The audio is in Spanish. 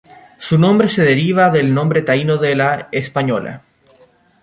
Su nombre se deriva del nombre taíno de La Española.